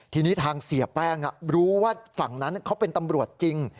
ทีนี้ทางเสียแป้งรู้ว่าฝั่งนั้นเขาเป็นตำรวจจริง